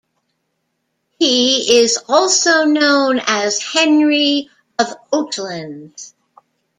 He is also known as Henry of Oatlands.